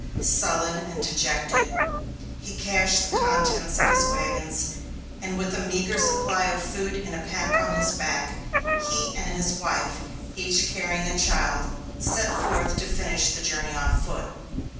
Sullen and dejected, he cached the contents of his wagons, and with a meagre supply of food in a pack on his back, he and his wife, each carrying a child, set forth to finish the journey on foot.